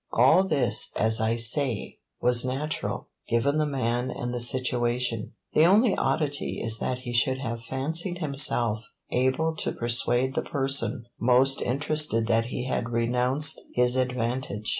All this, as I say, was natural, given the man and the situation; the only oddity is that he should have fancied himself able to persuade the person most interested that he had renounced his advantage.